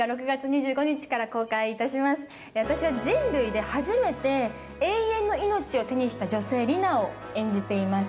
人類で初めて永遠の命を手にした女性、リナを演じています。